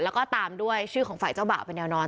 แล้วก็ตามด้วยชื่อของฝ่ายเจ้าบ่าวเป็นแนวนอน